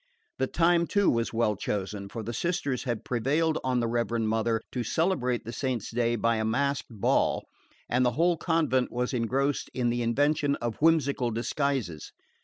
The time too was well chosen; for the sisters had prevailed on the Reverend Mother to celebrate the saint's day by a masked ball, and the whole convent was engrossed in the invention of whimsical disguises.